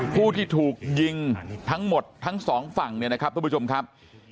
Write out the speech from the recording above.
ผู้ที่ถูกยิงทั้งหมดทั้งสองฝั่งเนี่ยนะครับทุกผู้ชมครับ